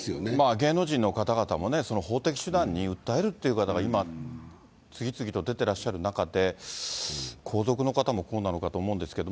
芸能人の方々もね、法的手段に訴えるという方が、今、次々と出てらっしゃる中で、皇族の方もこうなのかと思いますけど。